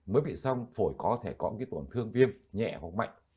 mới bị xong phổi có thể có một cái tổn thương viêm nhẹ hoặc mạnh